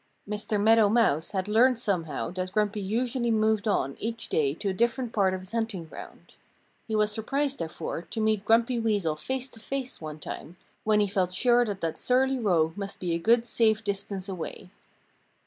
Mr. Meadow Mouse had learned somehow that Grumpy usually moved on each day to a different part of his hunting ground. He was surprised, therefore, to meet Grumpy Weasel face to face one time, when he felt sure that that surly rogue must be a good safe distance away.